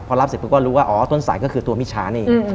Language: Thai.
พอรับเสร็จปุ๊บก็รู้ว่าอ๋อต้นสายก็คือตัวมิชานี่